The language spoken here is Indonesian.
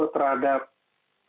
terhadap presiden jokowi dodo